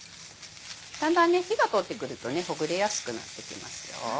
だんだん火が通ってくるとほぐれやすくなってきますよ。